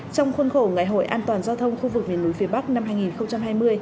trong khuôn khổ ngày hội an toàn giao thông khu vực miền núi phía bắc năm hai nghìn hai mươi